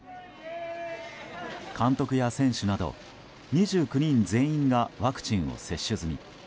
監督や選手など２９人全員がワクチンを接種済み。